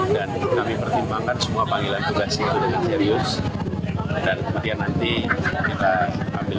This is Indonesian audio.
dan kami pertimbangkan semua panggilan tugas itu dengan serius dan kemudian nanti kita ambil